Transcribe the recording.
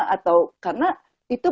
atau karena itu